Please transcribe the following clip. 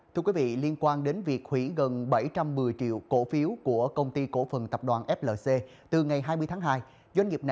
thưa quý vị liên quan đến việc hủy gần bảy trăm một mươi triệu cổ phiếu của công ty cổ phần tập đoàn flc từ ngày hai mươi tháng hai doanh nghiệp này